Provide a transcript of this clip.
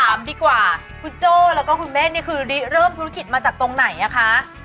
ดีกว่าคุณโจ้แล้วก็คุณแม่นี่คือเริ่มธุรกิจมาจากตรงไหนอะคะ